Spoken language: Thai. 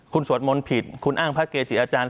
คุณสวดมนต์ผิดคุณอ้างพระเกจิอาจารย์